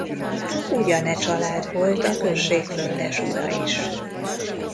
Ugyane család volt a község földesura is.